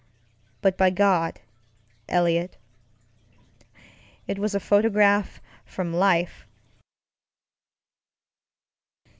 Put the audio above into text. But by God, Eliot, it was a photograph from life.